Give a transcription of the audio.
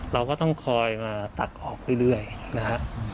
เราก็ต้องคอยมาตัดออกเรื่อยนะฮะ